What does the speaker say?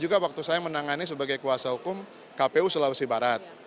juga waktu saya menangani sebagai kuasa hukum kpu sulawesi barat